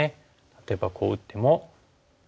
例えばこう打っても。